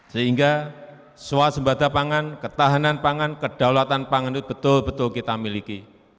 sehingga swasembada pangan ketahanan pangan kedaulatan pangan itu betul betul kita miliki